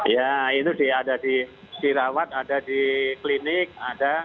ya itu ada di sirawat ada di klinik ada